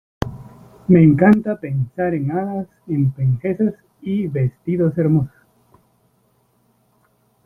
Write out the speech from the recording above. Me encanta pensar en hadas, en princesas y vestidos hermosos.